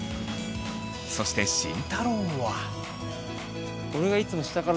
そして慎太郎は。